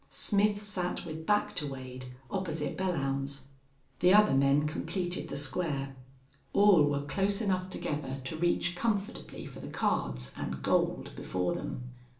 Smith sat with back to Wade, opposite Belllounds. The other men completed the square. All were close enough together to reach comfortably for the cards and gold before them.